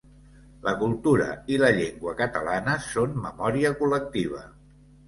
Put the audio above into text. La cultura i la llengua catalanes són memòria col·lectiva.